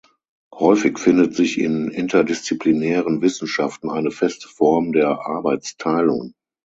Häufig findet sich in interdisziplinären Wissenschaften eine feste Form der Arbeitsteilung.